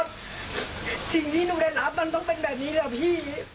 สิ่งที่หนูได้รับมันต้องเป็นแบบนี้เหรอพี่